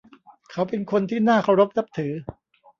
เขาเป็นคนที่น่าเคารพนับถือ